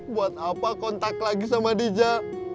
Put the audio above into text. buat apa kontak lagi sama dija